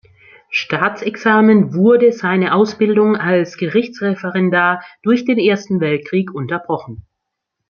Staatsexamen wurde seine Ausbildung als Gerichtsreferendar durch den Ersten Weltkrieg unterbrochen.